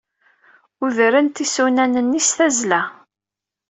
Udrent isunan-nni s tazzla.